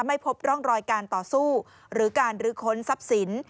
ไม่พบร่องรอยการต่อสู้หรือการรื้อค้นทรัพย์สิน